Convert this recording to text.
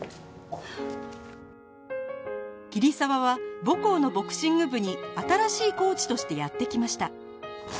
桐沢は母校のボクシング部に新しいコーチとしてやって来ました